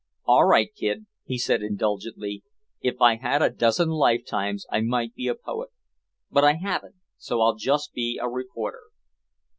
"All right, Kid," he said indulgently. "If I had a dozen lifetimes I might be a poet. But I haven't, so I'll just be a reporter."